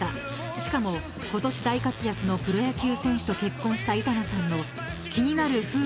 ［しかもことし大活躍のプロ野球選手と結婚した板野さんの気になる夫婦のお風呂事情は？］